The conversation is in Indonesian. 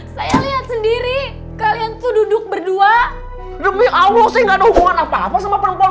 saya lihat sendiri kalian tuh duduk berdua demi allah saya gak ada hubungan apa apa sama perempuan